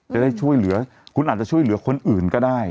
จะได้ช่วยเหลือคุณอาจจะช่วยเหลือคนอื่นก็ได้